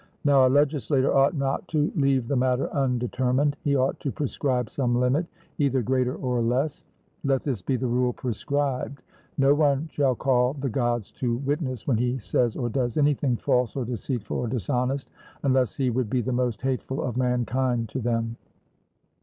Now a legislator ought not to leave the matter undetermined; he ought to prescribe some limit, either greater or less. Let this be the rule prescribed: No one shall call the Gods to witness, when he says or does anything false or deceitful or dishonest, unless he would be the most hateful of mankind to them.